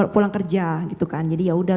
pulang kerja gitu kan jadi ya udah